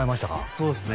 そうっすね